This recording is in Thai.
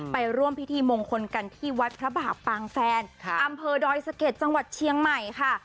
ไปร่วมพิธีมงคลกันที่วัดพระบาปปางแฟนอำเภอดอยสะเก็ดจังหวัดเชียงใหม่ค่ะ